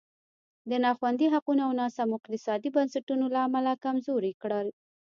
د نا خوندي حقونو او ناسمو اقتصادي بنسټونو له امله کمزوری کړل.